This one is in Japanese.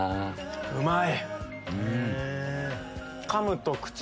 うまい！